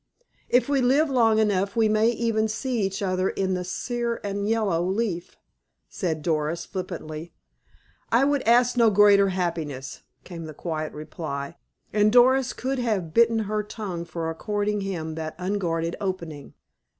"If we live long enough we may even see each other in the sere and yellow leaf," said Doris flippantly. "I would ask no greater happiness," came the quiet reply, and Doris could have bitten her tongue for according him that unguarded opening.